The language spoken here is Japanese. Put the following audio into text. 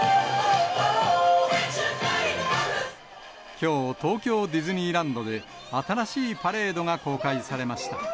きょう、東京ディズニーランドで、新しいパレードが公開されました。